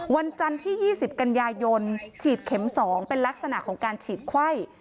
วันจันทร์ที่๒๐กันยายนฉีดเข็ม๒เป็นลักษณะของการฉีดไข้